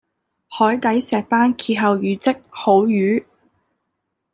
海底石班謁後語即好瘀